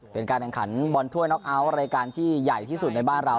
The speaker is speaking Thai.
เป็นการแข่งขันบอลถ้วยน็อกเอาท์รายการที่ใหญ่ที่สุดในบ้านเรา